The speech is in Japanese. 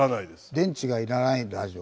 電池がいらないラジオ。